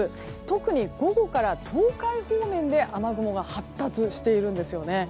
特に、午後から東海方面で雨雲が発達しているんですよね。